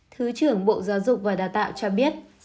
thứ trưởng bộ giáo dục và đào tạo cho biết